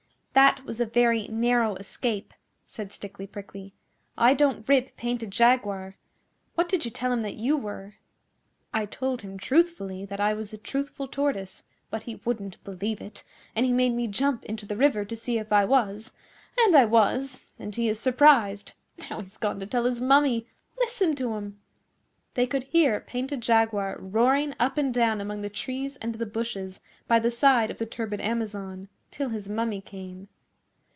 'That was a very narrow escape,' said Stickly Prickly. 'I don't rib Painted Jaguar. What did you tell him that you were?' 'I told him truthfully that I was a truthful Tortoise, but he wouldn't believe it, and he made me jump into the river to see if I was, and I was, and he is surprised. Now he's gone to tell his Mummy. Listen to him!' They could hear Painted Jaguar roaring up and down among the trees and the bushes by the side of the turbid Amazon, till his Mummy came.